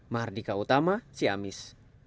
mahardika utama ciamis